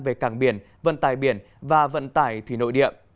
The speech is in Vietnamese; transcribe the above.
về cảng biển vận tài biển và vận tải thủy nội địa